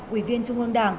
ủy viên trung ương đảng